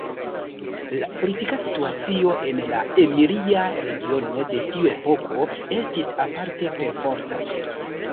La politika situacio en la Emilia regiono de tiu epoko estis aparte perforta.